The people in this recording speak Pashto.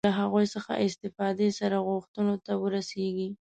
له هغوی څخه استفادې سره غوښتنو ته ورسېږي.